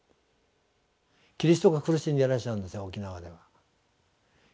キリストが苦しんでいらっしゃるんですよ沖縄では。